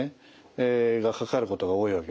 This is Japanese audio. がかかることが多いわけです。